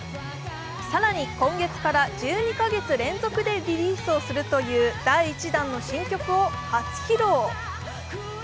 更に、今月から１２カ月連続でリリースをするという第１弾の新曲を初披露。